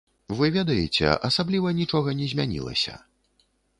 Вы ведаеце, асабліва нічога не змянілася.